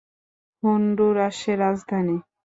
হন্ডুরাসের রাজধানী।